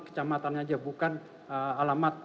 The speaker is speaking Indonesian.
kecamatan aja bukan alamat